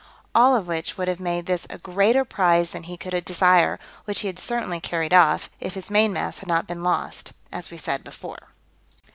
All of which would have made this a greater prize than he could desire, which he had certainly carried off, if his main mast had not been lost, as we said before.